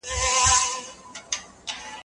معلم صاحب زموږ پاڼه وړاندي کړه.